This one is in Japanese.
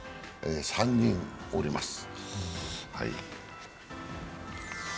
３人おります。